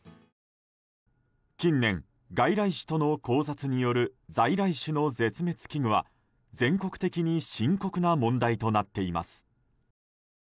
近年、外来種との交雑による在来種の絶滅危惧は全国的に深刻な問題となっています。